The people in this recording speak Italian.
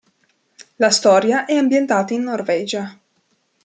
La storia è ambientata in Norvegia.